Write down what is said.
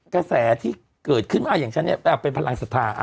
กระแสที่เกิดขึ้นมาอย่างฉันเนี้ยอ่ะเป็นพลังสภา